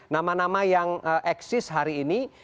nama nama yang eksis hari ini